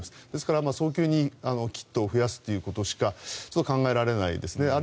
ですから、早急にキットを増やすということしか考えられないですね。